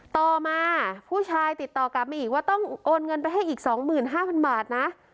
ต่อมาผู้ชายติดต่อกลับมาอีกว่าต้องโอนเงินไปให้อีกสองหมื่นห้าพันบาทนะ